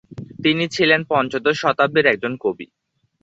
তিনি ছিলেন পঞ্চদশ শতাব্দীর একজন কবি।